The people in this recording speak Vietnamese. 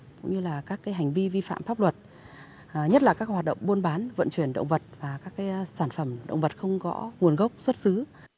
cũng như là các hành vi vi phạm pháp luật nhất là các hoạt động buôn bán vận chuyển động vật và các sản phẩm động vật không có nguồn gốc xuất xứ